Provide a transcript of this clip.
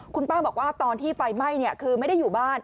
คุณป้าบอกว่าตอนที่ไฟไหม้คือไม่ได้อยู่บ้าน